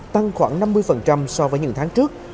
tăng khoảng năm mươi so với những tháng trước